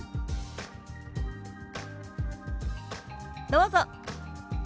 どうぞ。